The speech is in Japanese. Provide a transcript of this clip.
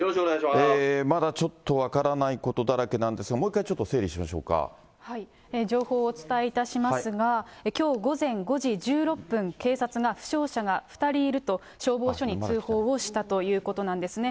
まだちょっと分からないことだらけなんですが、もう一回、ち情報をお伝えいたしますが、きょう午前５時１６分、警察が負傷者が２人いると、消防署に通報をしたということなんですね。